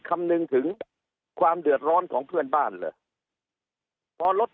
คำนึงถึงความเดือดร้อนของเพื่อนบ้านเหรอพอรถ